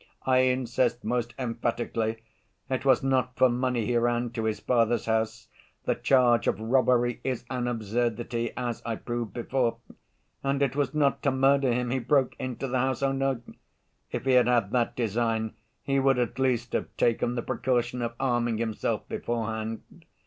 I insist most emphatically it was not for money he ran to his father's house: the charge of robbery is an absurdity, as I proved before. And it was not to murder him he broke into the house, oh, no! If he had had that design he would, at least, have taken the precaution of arming himself beforehand.